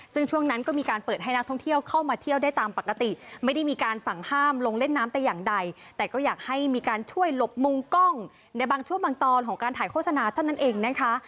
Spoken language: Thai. ซึ่งช่วงนั้นก็มีการเปิดให้นักท่องเที่ยวเข้ามาเที่ยวได้ตามปกติไม่ได้มีการสั่งห้ามลงเล่นน้ำแต่อย่างใดแต่ก็อยากให้มีการช่วยหลบมุงกล้องในบางช่วงบางตอนของการถ่ายโฆษณาเท่านั้นเองนะคะ